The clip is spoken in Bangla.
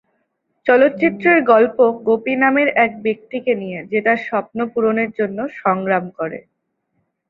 চলচ্চিত্রের গল্প গোপী নামের এক ব্যক্তিকে নিয়ে, যে তার স্বপ্ন পূরণের জন্য সংগ্রাম করে।